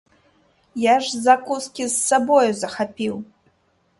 Я ж закускі з сабою захапіў.